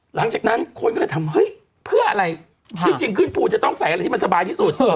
หลังจากนั้นคนก็เลยถามเฮ้ยเพื่ออะไรที่จริงขึ้นฟูจะต้องใส่อะไรที่มันสบายที่สุด